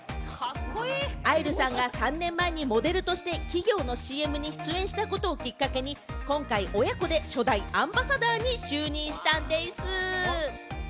愛流さんが３年前にモデルとして企業のＣＭに出演したことをきっかけに、今回親子で初代アンバサダーに就任したんでぃす。